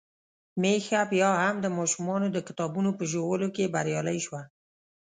ميښه بيا هم د ماشومانو د کتابونو په ژولو کې بريالۍ شوه.